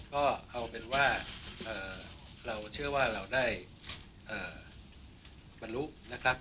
ก็เอาเป็นว่าเราเชื่อว่าเราได้บรรลุนะครับ